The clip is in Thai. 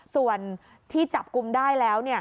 ส่วนที่จับกลุ่มได้แล้ว